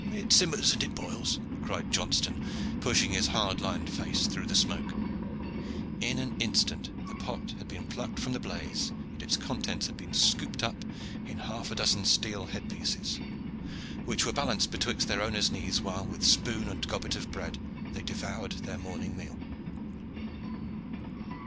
"It simmers and it boils," cried Johnston, pushing his hard lined face through the smoke. In an instant the pot had been plucked from the blaze, and its contents had been scooped up in half a dozen steel head pieces, which were balanced betwixt their owners' knees, while, with spoon and gobbet of bread, they devoured their morning meal.